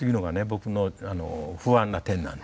僕の不安な点なんです。